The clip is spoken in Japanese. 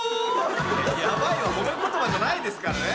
「ヤバい」は褒め言葉じゃないですからね。